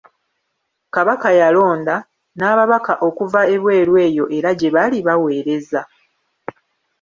Kabaka yalonda, n’ababaka okuva ebweru eyo era gye bali baweereza.